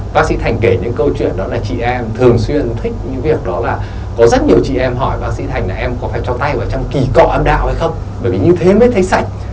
bác sĩ thành kể những câu chuyện đó là chị em thường xuyên thích những việc đó là có rất nhiều chị em hỏi bác sĩ thành là em có phải cho tay vào trong kỳ cọ âm đạo hay không bởi vì như thế mới thấy sách